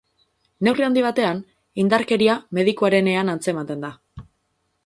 Neurri handi batean, indarkeria medikuarenean antzematen da.